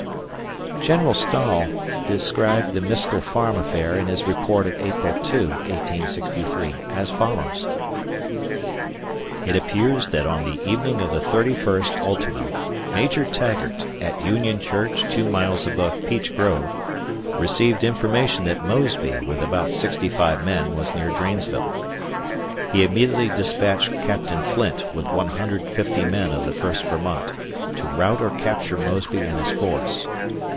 General Stahel described the Miskel Farm affair in his report of April 2, 1863, as follows: It appears that on the evening of the 31st ultimo, Major Taggart, at Union Church two miles above Peach Grove, received information that Mosby, with about sixty five men, was near Dranesville. He immediately dispatched Capt. Flint, with 150 men of the First Vermont, to rout or capture Mosby and his force.